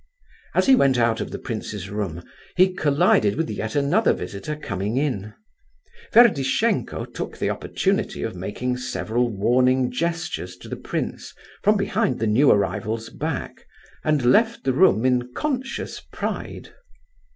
As he went out of the prince's room, he collided with yet another visitor coming in. Ferdishenko took the opportunity of making several warning gestures to the prince from behind the new arrival's back, and left the room in conscious pride.